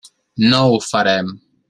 No ho farem.